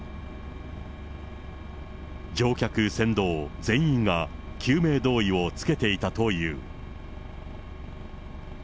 乗客、船頭、全員が救命胴衣を着けていたという。